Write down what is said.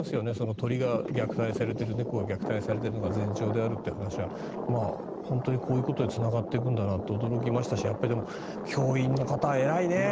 鳥や猫が虐待されているのが前兆であるという話は本当にこういうことにつながっていくんだなと驚きましたしでも教員の方、偉いね。